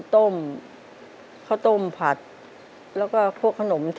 ทุนก็มีลากุฏ่าเบอร์